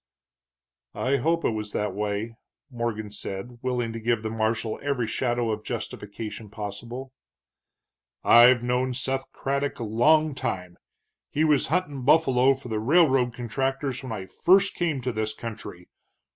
"I hope it was that way," Morgan said, willing to give the marshal every shadow of justification possible. "I've known Seth Craddock a long time; he was huntin' buffalo for the railroad contractors when I first came to this country.